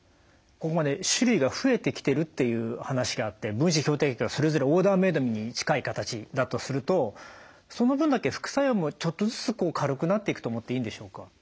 ここまで種類が増えてきてるっていう話があって分子標的薬がそれぞれオーダーメードに近い形だとするとその分だけ副作用もちょっとずつ軽くなっていくと思っていいんでしょうか？